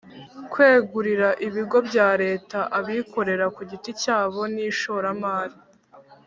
kwegurira ibigo bya Leta abikorera ku giti cyabo n ishoramari